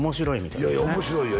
いやいや面白いよ